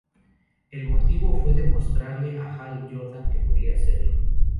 El motivo fue demostrarle a Hal Jordan que podía hacerlo.